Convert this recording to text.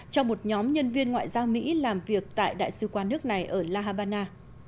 cho một nhóm nhân viên ngoại giao mỹ làm việc tại đại sứ quán nước này ở la habana